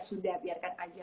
tidak biarkan aja